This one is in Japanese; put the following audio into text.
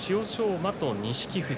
馬と錦富士。